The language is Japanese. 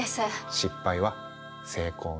「失敗は成功の母」。